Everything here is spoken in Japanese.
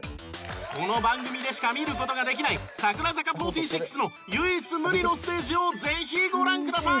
この番組でしか見る事ができない櫻坂４６の唯一無二のステージをぜひご覧ください！